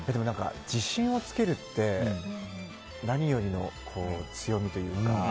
自信をつけるって何よりも強みというか。